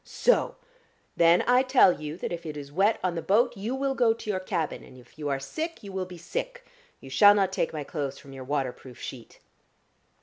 "So! Then I tell you that if it is wet on the boat, you will go to your cabin, and if you are sick you will be sick. You shall not take my clothes from your water proof sheet."